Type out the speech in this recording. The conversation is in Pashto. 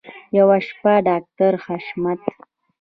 یوه شپه ډاکټر حشمت